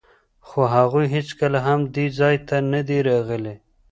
خو هغوی هېڅکله هم دې ځای ته نه دي راغلي.